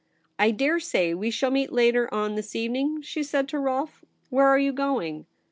' I dare say we shall meet later on this evening,' she said to Rolfe. * Where are you going